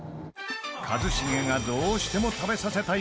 一茂がどうしても食べさせたい